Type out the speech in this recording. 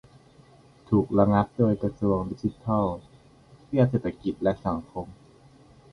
ถูกระงับโดยกระทรวงดิจิทัลเพื่อเศรษฐกิจและสังคม